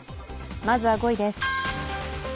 まずは５位です。